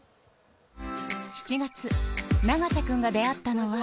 ７月、永瀬君が出会ったのは。